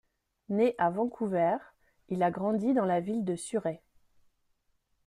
Né à Vancouver, il a grandi dans la ville de Surrey.